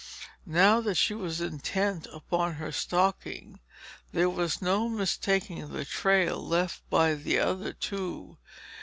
Now that she was intent upon her stalking, there was no mistaking the trail left by the other two.